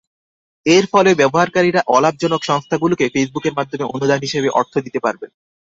এর ফলে ব্যবহারকারীরা অলাভজনক সংস্থাগুলোকে ফেসবুকের মাধ্যমে অনুদান হিসাবে অর্থ দিতে পারবেন।